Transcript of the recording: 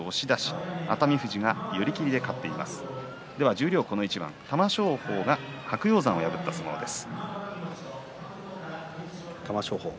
十両この一番、玉正鳳が白鷹山を破った相撲です。